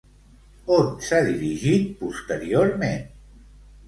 On s'ha dirigit posteriorment?